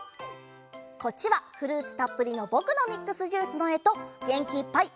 こっちはフルーツたっぷりの「ぼくのミックスジュース」のえとげんきいっぱい